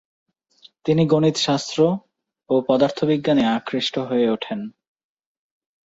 তিনি গণিতশাস্ত্র ও পদার্থবিজ্ঞানে আকৃষ্ট হয়ে ওঠেন।